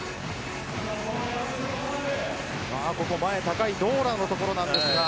前の高いドーラのところですが。